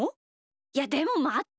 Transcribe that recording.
いやでもまって。